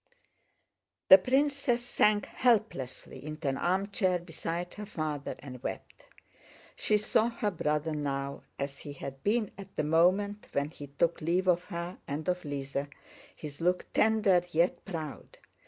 The princess sank helplessly into an armchair beside her father and wept. She saw her brother now as he had been at the moment when he took leave of her and of Lise, his look tender yet proud.